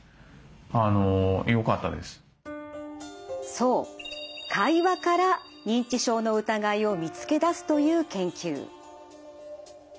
そう会話から認知症の疑いを見つけ出すという研究。